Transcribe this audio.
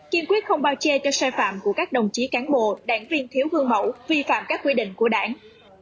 kiên quyết không bao che cho sai phạm của các đồng chí cán bộ đảng viên thiếu gương mẫu vi phạm các quy định của đảng